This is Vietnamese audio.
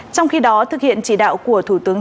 trong khi đó thực hiện chỉ đạo của thủ tướng